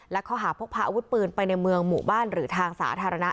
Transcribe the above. และข้อหาพกพาอาวุธปืนไปในเมืองหมู่บ้านหรือทางสาธารณะ